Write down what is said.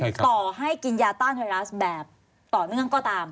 ต่อให้กินยาต้านไวรัสแบบต่อเนื่องก็ตาม